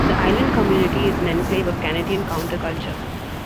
The island community is an enclave of Canadian counter-culture.